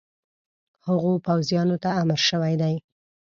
هغو پوځیانو ته امر شوی دی.